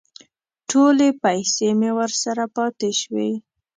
ټولې پیسې مې ورسره پاتې شوې.